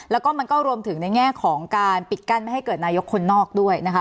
แล้วก็มันก็รวมถึงในแง่ของการปิดกั้นไม่ให้เกิดนายกคนนอกด้วยนะคะ